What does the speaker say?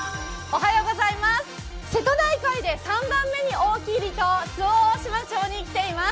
瀬戸内海で３番目に大きい離島周防大島町に来ています。